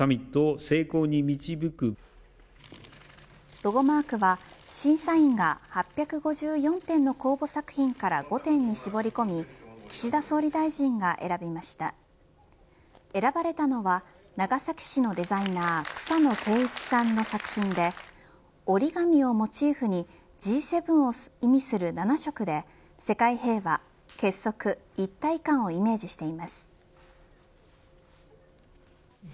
ロゴマークは審査員が８５４点の公募作品から５点に絞り込み岸田総理大臣が選びました選ばれたのは長崎市のデザイナー草野敬一さんの作品で折り紙をモチーフにＧ７を意味する７色で世界平和、結束、一体感をイメージしています。